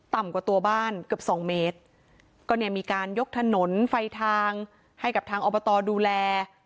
กว่าตัวบ้านเกือบสองเมตรก็เนี่ยมีการยกถนนไฟทางให้กับทางอบตดูแล